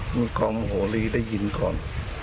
มีความโมโหลีได้ยินก่อน